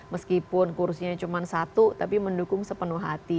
meskipun kursinya cuma satu tapi mendukung sepenuh hati